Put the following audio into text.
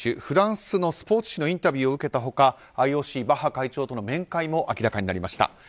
フランスのスポーツ紙のインタビューを受けた他ＩＯＣ、バッハ会長との面会も明らかになりました。